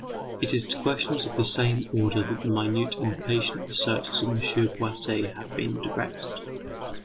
It is to questions of the same order that the minute and patient researches of M. Bouasse have been directed.